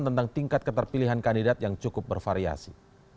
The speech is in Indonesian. tentang tingkat keterpilihan kandidat yang cukup bervariasi